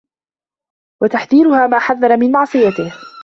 وَتَحْذِيرُهَا مَا حَذَّرَ مِنْ مَعْصِيَتِهِ